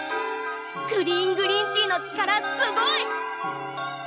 クリーングリーンティの力すごい！